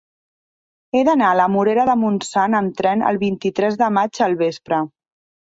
He d'anar a la Morera de Montsant amb tren el vint-i-tres de maig al vespre.